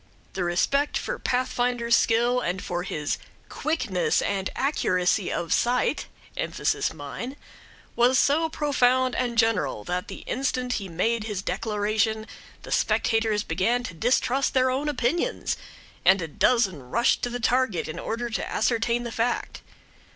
"The respect for Pathfinder's skill and for his 'quickness and accuracy of sight'" (the italics [''] are mine) "was so profound and general, that the instant he made this declaration the spectators began to distrust their own opinions, and a dozen rushed to the target in order to ascertain the fact.